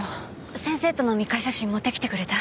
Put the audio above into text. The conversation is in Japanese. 先生との密会写真持ってきてくれた？